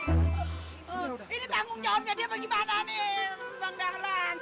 ini tanggung jawabnya dia bagaimana nih bang dahlan